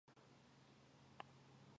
دښته په تودو ورځو کې سوځي.